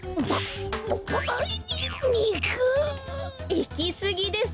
いきすぎです。